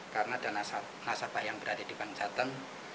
karena ada nasabah yang berada di bank jateng